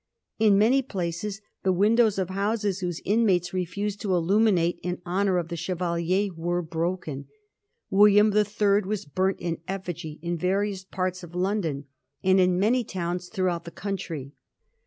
In many places the windows of houses whose inmates refused to illuminate in honour of the Chevalier were broken ; William the Third was burnt in effigy in various parts of London, and in. many towns throughout the country.